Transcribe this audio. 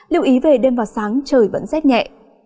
lưu ý về đêm và sáng trời vẫn rét nhẹ